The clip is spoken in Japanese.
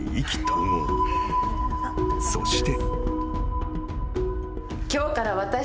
［そして］